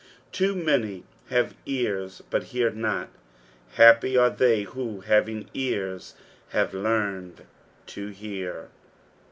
Too many have ears but hear not ; happy are thev who, having ears, have learned to hear.